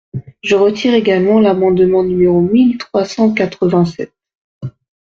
Je retire également l’amendement numéro mille trois cent quatre-vingt-sept.